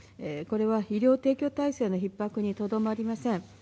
これは医療提供体制のひっ迫にとどまりません。